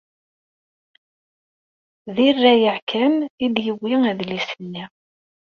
Di rrayeɛ kan i d-yewwi adlis-nni.